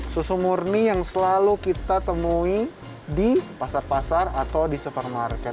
susu murni yang selalu kita temui di pasar pasar atau di supermarket